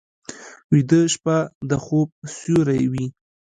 ویده شپه د خوب سیوری وي